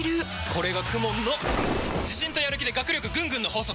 これがＫＵＭＯＮの自信とやる気で学力ぐんぐんの法則！